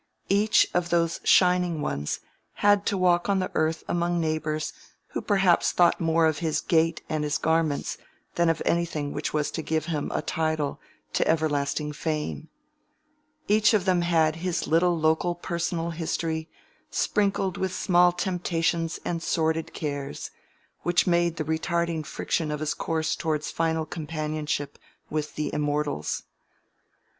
Each of those Shining Ones had to walk on the earth among neighbors who perhaps thought much more of his gait and his garments than of anything which was to give him a title to everlasting fame: each of them had his little local personal history sprinkled with small temptations and sordid cares, which made the retarding friction of his course towards final companionship with the immortals.